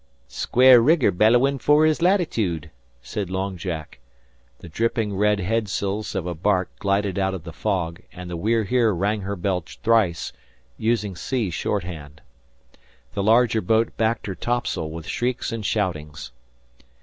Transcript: "Square rigger bellowin' fer his latitude," said Long Jack. The dripping red head sails of a bark glided out of the fog, and the We're Here rang her bell thrice, using sea shorthand. The larger boat backed her topsail with shrieks and shoutings.